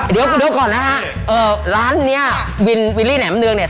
เดี๋ยวก่อนนะฮะเอ่อร้านเนี้ยวินวิลลี่แหนมเนืองเนี่ย